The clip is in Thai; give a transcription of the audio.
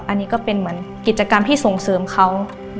อันนี้ก็เป็นเหมือนกิจกรรมที่ส่งเสริมเขา